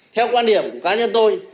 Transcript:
theo quan điểm của cá nhân tôi